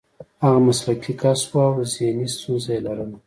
هغه مسلکي کس و او ذهني ستونزه یې لرله